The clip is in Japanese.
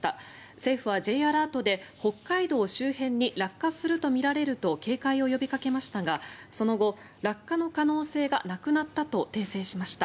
政府はＪアラートで北海道周辺に落下するとみられると警戒を呼びかけましたが、その後落下の可能性がなくなったと訂正しました。